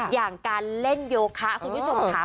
อย่างการเล่นโยคะคุณผู้ชมค่ะ